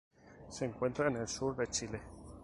Se encuentra en el sur de Chile.